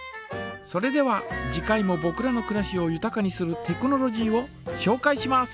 それでは次回もぼくらのくらしをゆたかにするテクノロジーをしょうかいします。